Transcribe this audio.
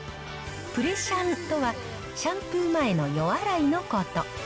プレシャンとは、シャンプー前の予洗いのこと。